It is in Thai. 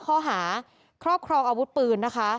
ข้อหาครอบครองอาวุธปืนนะคะ